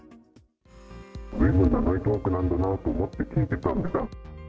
ずいぶん長いトークなんだなと思って聞いてたんです。